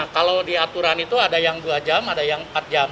kalau di aturan itu ada yang dua jam ada yang empat jam